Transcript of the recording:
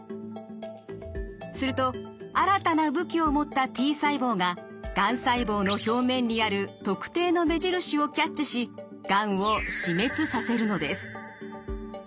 すると新たな武器を持ったＴ細胞ががん細胞の表面にある特定の目印をキャッチしがんを死滅させるのです。